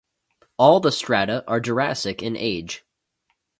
All the strata are Jurassic in age.